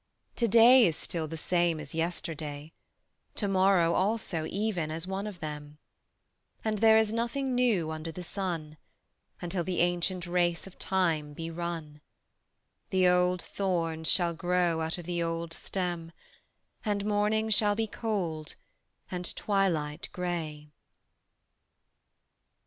To day is still the same as yesterday, To morrow also even as one of them; And there is nothing new under the sun: Until the ancient race of Time be run, The old thorns shall grow out of the old stem, And morning shall be cold, and twilight gray.